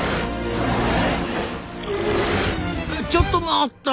ちょっと待った！